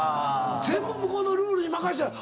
全部向こうのルールに任したら。